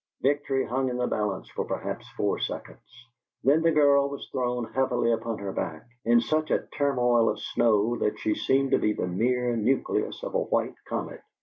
Victory hung in the balance for perhaps four seconds; then the girl was thrown heavily upon her back, in such a turmoil of snow that she seemed to be the mere nucleus of a white comet.